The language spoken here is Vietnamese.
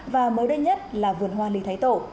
và mới đây nhất là vườn hoa lý thái tổ